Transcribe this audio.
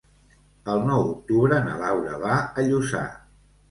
El nou d'octubre na Laura va a Lluçà.